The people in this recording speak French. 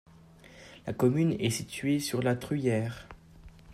La commune est située sur la Truyère.